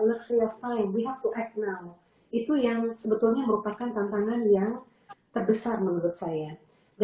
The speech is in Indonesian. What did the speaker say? tentang urnsi urnsi dalam tujuan kenot want to be forward